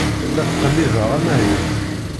La ttqellibeɣ amahil.